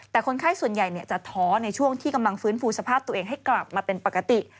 แต่คนไข้ส่วนใหญ่จะท้อในช่วงที่กำลังฟื้นฟูสภาพตัวเองให้กลับมาเป็นปกติ